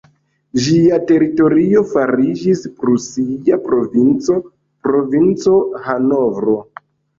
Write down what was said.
Ĝia teritorio fariĝis prusia provinco, "provinco Hanovro".